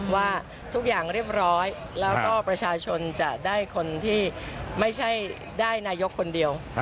ว่าทุกอย่างเรียบร้อยแล้วก็ประชาชนจะได้คนที่ไม่ใช่ได้นายกคนเดียว